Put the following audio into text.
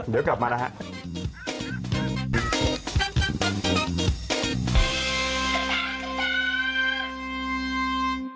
เดี๋ยวกลับมานะฮะ